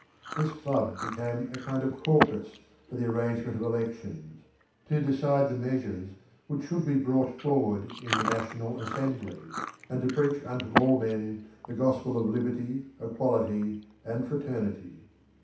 This club became a kind of caucus for the arrangement of elections, to decide the measures which should be brought forward in the National Assembly, and to preach unto all men the gospel of liberty, equality, and fraternity.